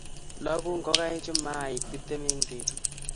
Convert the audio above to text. Loku ngokaichu maaik tiptem eng petut